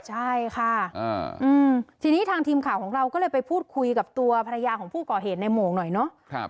ใช่ค่ะทีนี้ทางทีมข่าวของเราก็เลยไปพูดคุยกับตัวภรรยาของผู้ก่อเหตุในโมงหน่อยเนาะ